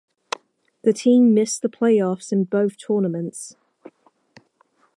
The team missed the playoffs in both tournaments.